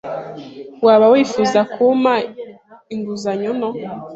Waba wifuza kumpa inguzanyo nto?